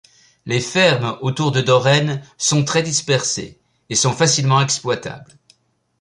Les fermes autour de Doren sont très dispersées et sont facilement exploitables.